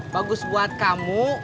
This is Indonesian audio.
bagus buat kamu